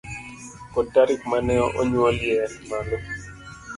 kod tarik ma ne onyuolie malo